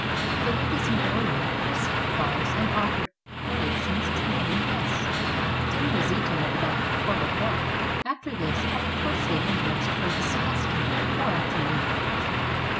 The ladies embroidered, received calls, and offered col lations to morning guests. Dinner was eaten at about twelve o'clock; after this, all partially undressed for the siesta, or afternoon lounge.